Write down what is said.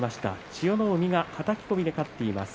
千代の海、はたき込みで勝っています。